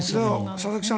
佐々木さん